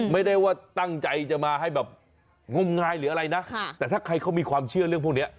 ไม่ได้ว่าตั้งใจจะมาให้แบบงมงายหรืออะไรนะแต่ถ้าใครเขามีความเชื่อเรื่องพวกนี้